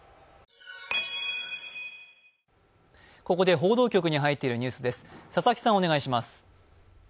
ここで報道局に入っているニュースです。